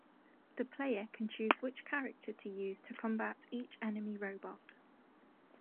The player can choose which character to use to combat each enemy robot.